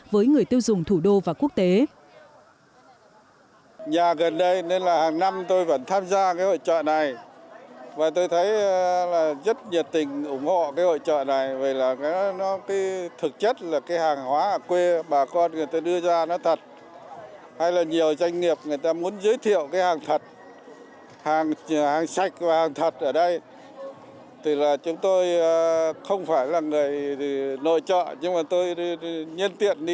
với người tiêu dùng thủ đô và quốc tế